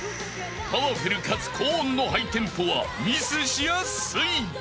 ［パワフルかつ高音のハイテンポはミスしやすい］